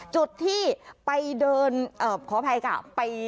จุดที่ไปเดินขออภัยค่ะ